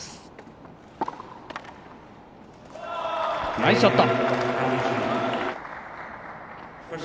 ナイスショット！